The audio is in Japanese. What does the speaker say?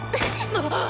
あっ！